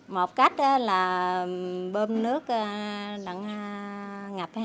một cách là bơm nước đặn ngập